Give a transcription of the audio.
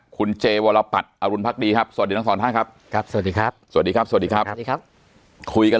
คุณเจวรปัตรอรุณพักดีครับสวัสดีครับสวัสดีครับสวัสดีครับสวัสดีครับคุยกัน